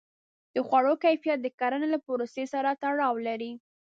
د خوړو کیفیت د کرنې له پروسې سره تړاو لري.